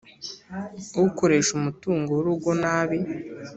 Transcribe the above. ukoresha umutungo w urugo nabi